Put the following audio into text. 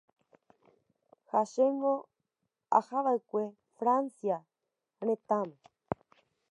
Ha chéngo ahava'ekue Francia retãme.